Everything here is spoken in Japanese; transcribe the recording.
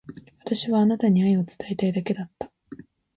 私はあなたに愛を伝えたいだけだった。